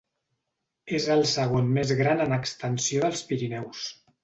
És el segon més gran en extensió dels Pirineus.